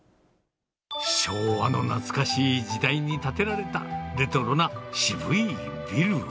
昭和の懐かしい時代に建てられたレトロな渋いビル。